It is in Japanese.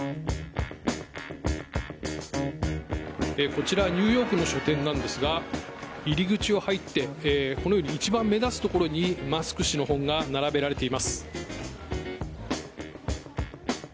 こちらニューヨークの書店なんですが入り口を入ってこのように一番目立つところにマスク氏の本が並べられています。